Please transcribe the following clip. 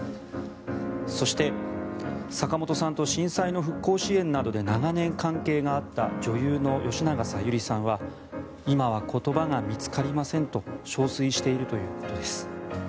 そして、坂本さんと震災の復興支援などで長年、関係があった女優の吉永小百合さんは今は言葉が見つかりませんと憔悴しているということです。